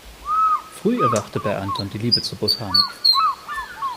Früh erwachte bei Anton die Liebe zur Botanik.